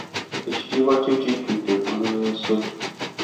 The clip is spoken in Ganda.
Ekitiibwa kye kijjudde eggulu n’ensi.